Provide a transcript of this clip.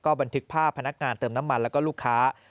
บันทึกภาพพนักงานเติมน้ำมันแล้วก็ลูกค้า